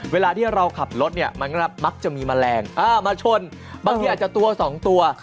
เวลาที่เราขับรถเนี่ยมันก็มักจะมีแมลงมาชนบางทีอาจจะตัว๒ตัว